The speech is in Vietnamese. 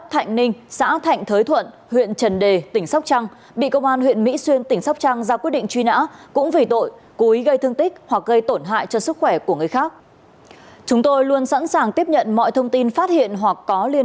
hãy đăng ký kênh để ủng hộ kênh của chúng mình nhé